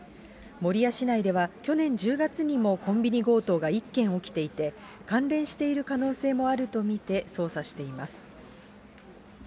守谷市内では、去年１０月にもコンビニ強盗が１件起きていて、関連している可能性もあると見て捜査しています。